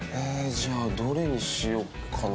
じゃあどれにしようかな？